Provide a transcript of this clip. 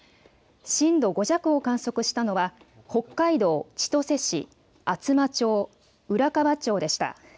震度５弱を観測したのは北海道千歳市、厚真町、浦河町でした。